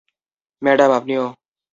Madam, আপনিও।